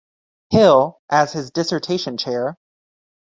Hill as his dissertation chair.